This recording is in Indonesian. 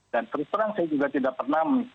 dan terus terang saya juga tidak pernah